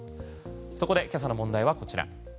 そこで今朝の問題はこちら。